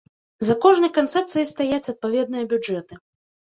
За кожнай канцэпцыяй стаяць адпаведныя бюджэты.